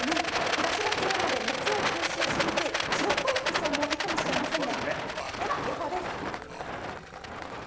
日ざしが強いので熱を吸収しにくい白っぽい服装もいいかもしれません。